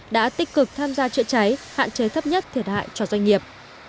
đã tích cực tham gia chữa cháy hạn chế thấp nhất thiệt hại cho doanh nghiệp